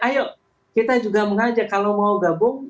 ayo kita juga mengajak kalau mau gabung